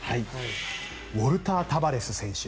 ウォルター・タバレス選手。